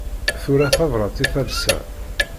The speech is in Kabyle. Tura tabrat i talsa.